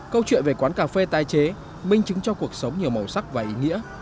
câu chuyện về quán cà phê tái chế minh chứng cho cuộc sống nhiều màu sắc và ý nghĩa